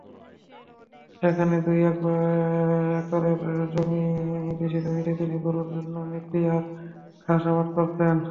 সেখানে দুই একরের বেশি জমিতে তিনি গরুর জন্য নেপিআর ঘাস আবাদ করতেন।